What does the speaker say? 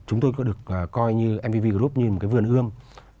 chúng tôi được hỗ trợ về mặt pháp lý về mặt tài chính cũng như về mặt nhân sự